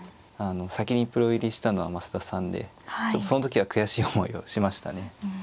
先にプロ入りしたのは増田さんでその時は悔しい思いをしましたね。